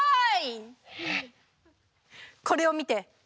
これを見て！